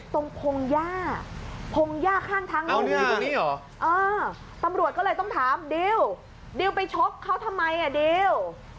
พงหญ้าพงหญ้าข้างทางน้องตำรวจก็เลยต้องถามดิวดิวไปชกเขาทำไมอ่ะดิว